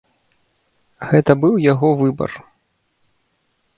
Гэта быў яго выбар.